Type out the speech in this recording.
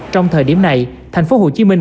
trong thời điểm này thành phố hồ chí minh